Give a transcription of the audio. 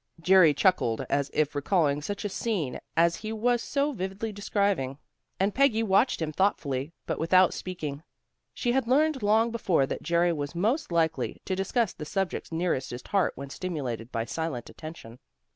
Jerry chuckled, as if recalling such a scene as he was so vividly describing, and Peggy watched him thoughtfully but without speaking. She had learned long before that Jerry was most likely to discuss the subjects nearest his heart when stimulated by silent attention.